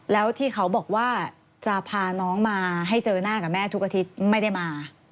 แล้วที่เขาบอกว่าจะพาน้องมาให้เจอหน้ากับแม่ทุกอาทิตย์ไม่ได้มา